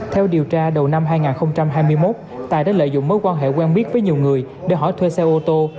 theo điều tra đầu năm hai nghìn hai mươi một tài đã lợi dụng mối quan hệ quen biết với nhiều người để hỏi thuê xe ô tô